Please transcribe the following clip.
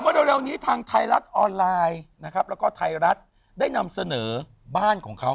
เร็วนี้ทางไทยรัฐออนไลน์นะครับแล้วก็ไทยรัฐได้นำเสนอบ้านของเขา